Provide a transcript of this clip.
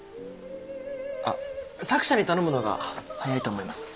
あっ作者に頼むのが早いと思います。